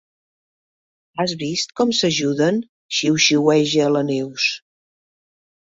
Has vist com s'ajuden? —xiuxiueja la Neus.